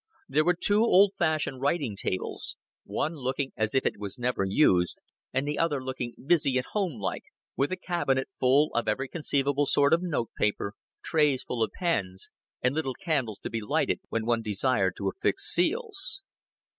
There were two old fashioned writing tables one looking as if it was never used, and the other looking busy and homelike, with a cabinet full of every conceivable sort of notepaper, trays full of pens, and little candles to be lighted when one desired to affix seals.